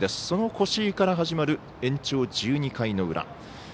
その越井から始まる延長１２回の裏。